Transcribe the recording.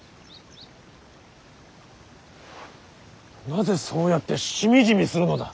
なぜそうやってしみじみするのだ。